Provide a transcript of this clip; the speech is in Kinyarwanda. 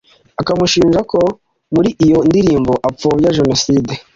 akamushinja ko muri iyo ndirimbo apfobya jenoside.